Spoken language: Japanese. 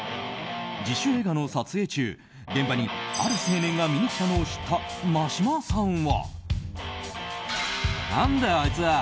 自主映画の撮影中、現場にある青年が見に来たのを知った眞島さんは。